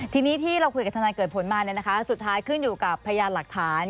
ทีนี้ที่เราคุยกับทนายเกิดผลมาสุดท้ายขึ้นอยู่กับพยานหลักฐาน